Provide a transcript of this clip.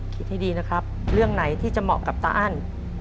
คิดให้ดีนะครับเรื่องไหนที่จะเหมาะกับตาอั้น